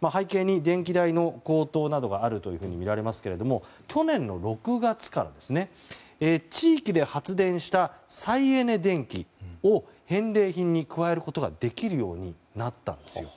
背景に電気代の高騰などがあるというふうにみられますが、去年の６月から地域で発電した再エネ電気を返礼品に加えることができるようになったんですよ。